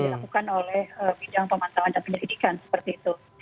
yang dilakukan oleh bidang pemanfaatan penyelidikan seperti itu